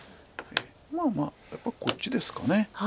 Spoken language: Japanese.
まあまあやっぱりこっちですか。